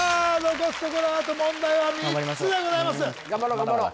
残すところあと問題は３つでございます頑張ろう頑張ろう